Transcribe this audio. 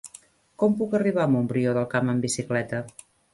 Com puc arribar a Montbrió del Camp amb bicicleta?